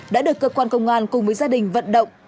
đã được cơ quan công an cùng với gia đình vận động